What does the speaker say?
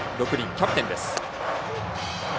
キャプテンです。